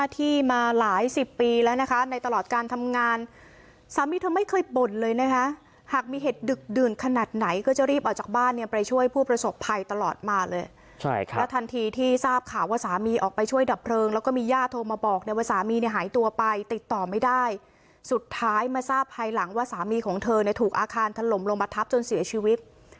ที่มาหลายสิบปีแล้วนะคะในตลอดการทำงานสามีเธอไม่เคยบ่นเลยนะคะหากมีเหตุดึกดื่นขนาดไหนก็จะรีบออกจากบ้านเนี่ยไปช่วยผู้ประสบภัยตลอดมาเลยใช่ครับแล้วทันทีที่ทราบข่าวว่าสามีออกไปช่วยดับเพลิงแล้วก็มีญาติโทรมาบอกเนี่ยว่าสามีเนี่ยหายตัวไปติดต่อไม่ได้สุดท้ายมาทราบภายหลังว่าสามีของเธอเนี่ยถูกอาคารถล่มลงมาทับจนเสียชีวิต